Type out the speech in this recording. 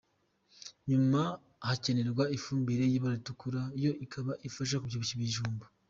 Nyuma hakenerwa ifumbire y’ibara ritukura, yo ikaba ifasha kubyibushya ibijumba.